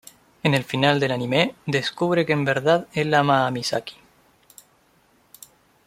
En el final del anime, descubre que en verdad el ama a Misaki.